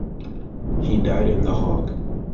He died in The Hague.